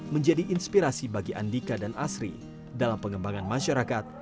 menjadi inspirasi bagi andika dan asri dalam pengembangan masyarakat